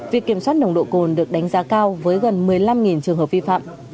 việc kiểm soát nồng độ cồn được đánh giá cao với gần một mươi năm trường hợp vi phạm